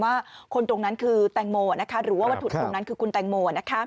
ว่าคนตรงนั้นคือแตงโมหรือว่าวัตถุตรงนั้นคือคุณแตงโม